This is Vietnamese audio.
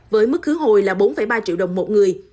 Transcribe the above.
với mức khứ hồi là bốn ba triệu đồng một người